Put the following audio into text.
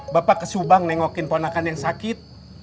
bapak ke subang nengokin ponakan yang sakit